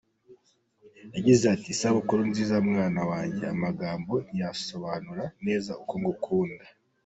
Yagize ati”Isabukuru nziza mwana wanjye, amagambo ntiyasobanura neza uko ngukunda.